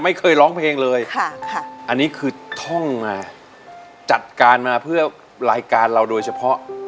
ไม่เคยร้องเพลงเลยค่ะอันนี้คือท่องมาจัดการมาเพื่อรายการเราโดยเฉพาะ